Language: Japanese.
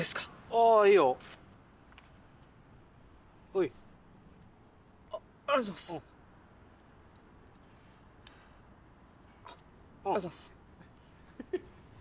ああいいよほいあありがとうございますあっありがとうございます